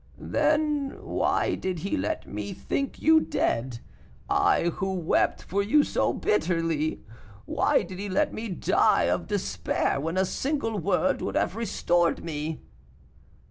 "Then why did he let me think you dead? I, who wept for you so bitterly. Why did he let me die of despair, when a single word would have restored me?"